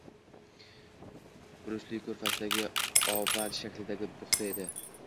Bu Ise ko`rfazidagi oval shaklidagi buxta edi